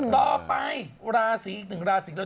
ต่อไปราศีอีกหนึ่งราศีอีกหนึ่ง